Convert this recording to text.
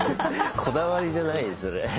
こだわりじゃないよそれ。